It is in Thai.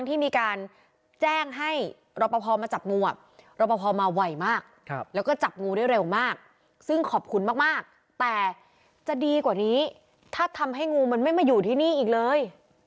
แต่จะดีกว่านี้ถ้าทำให้งูมันไม่มาอยู่ที่นี่อีกเลย